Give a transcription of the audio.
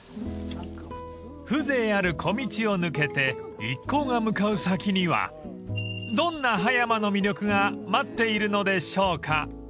［風情ある小道を抜けて一行が向かう先にはどんな葉山の魅力が待っているのでしょうか？］